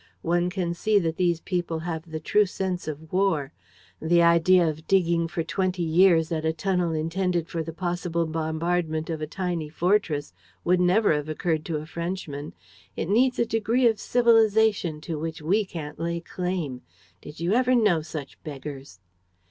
One can see that these people have the true sense of war. The idea of digging for twenty years at a tunnel intended for the possible bombardment of a tiny fortress would never have occurred to a Frenchman. It needs a degree of civilization to which we can't lay claim. Did you ever know such beggars!"